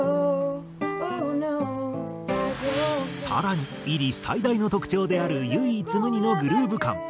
更にｉｒｉ最大の特徴である唯一無二のグルーヴ感